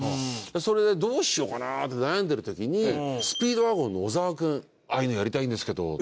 それでどうしようかなって悩んでる時にスピードワゴンの小沢君「ああいうのやりたいんですけど」